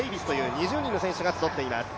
２０人の選手が集っています。